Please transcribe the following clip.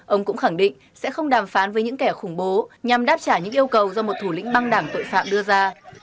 ông cũng khẳng định sẽ không đàm phán với những kẻ khủng bố nhằm đáp trả những yêu cầu do một thủ lĩnh băng đảng tội phạm đưa ra